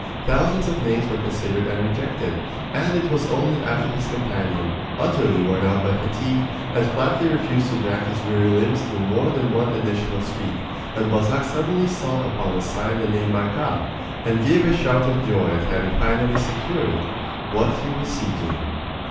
Thousands of names were considered and rejected, and it was only after his companion, utterly worn out by fatigue, had flatly refused to drag his weary limbs through more than one additional street, that Balzac suddenly saw upon a sign the name "Marcas," and gave a shout of joy at having finally secured what he was seeking.